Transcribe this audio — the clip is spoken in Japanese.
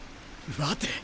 待て。